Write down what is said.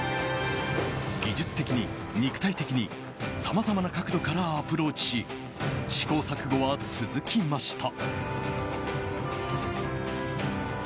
技術的に、肉体的にさまざまな角度からアプローチし試行錯誤は続きました。